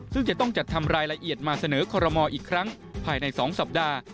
ซึ่งจะต้องจัดทำรายละเอียดมาเสนอคอรมอลอีกครั้งภายใน๒สัปดาห์